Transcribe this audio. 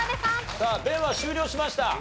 さあ「弁」は終了しました。